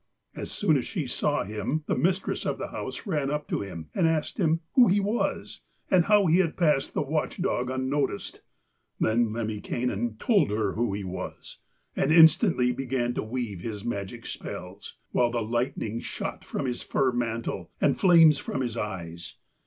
As soon as she saw him the mistress of the house ran up to him and asked him who he was, and how he had passed the watch dog unnoticed. Then Lemminkainen told her who he was, and instantly began to weave his magic spells, while the lightning shot from his fur mantle and flames from his eyes.